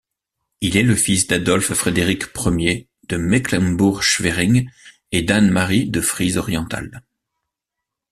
Il est le fils d'Adolphe-Frédéric Ier de Mecklembourg-Schwerin et d'Anne-Marie de Frise-Orientale.